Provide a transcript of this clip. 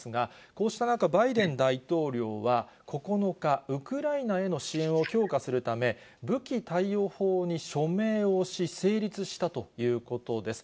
こうした中、バイデン大統領は９日、ウクライナへの支援を強化するため、武器貸与法に署名をし、成立したということです。